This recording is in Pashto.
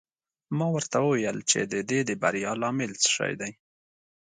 ما ورته وویل چې د دې د بریا لامل څه شی دی.